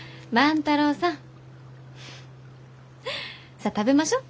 さあ食べましょう。